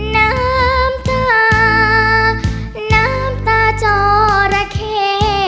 น้ำตาน้ำตาจอระเข